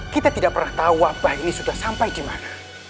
kita tidak pernah tahu wabah ini sudah sampai dimana